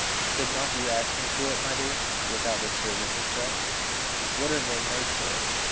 "Could not you ask me for it, my dear, without disturbing yourself? What are men made for?"